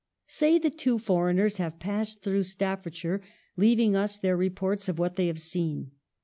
Say that two foreigners have passed through Staffordshire, leaving us their reports of what they have seen.